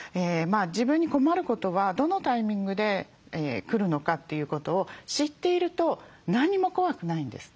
自分に困ることはどのタイミングで来るのかということを知っていると何も怖くないんです。